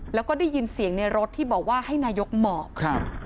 แล้วก็ได้ยินเสียงในรถที่บอกว่าให้นายกหมอกครับ